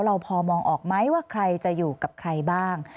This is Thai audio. เราพอมองออกไหมว่าใครจะอยู่กับใครบ้าง